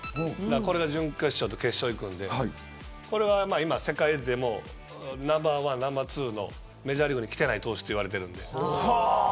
準決勝と決勝に行くので世界でもナンバーワンナンバーツーのメジャーリーグに来ていない投手といわれています。